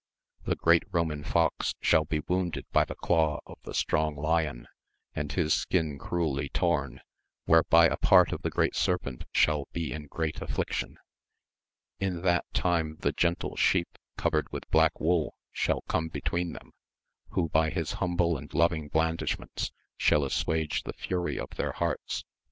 The great Roman Fox shall be wounded by the claw of the strong Lion, and his skin cruelly torn, whereby a part of the great Serpent shall be in great affiction. In that time the gentle Sheep covered with black wool shall come between them, who by his humble and loving blandishments shall assuage the fury of their hearts.